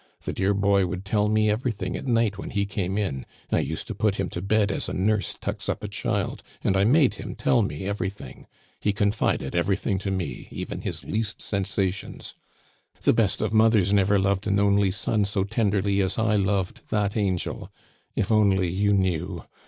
The dear boy would tell me everything at night when he came in; I used to put him to bed as a nurse tucks up a child, and I made him tell me everything. He confided everything to me, even his least sensations! "The best of mothers never loved an only son so tenderly as I loved that angel! If only you knew!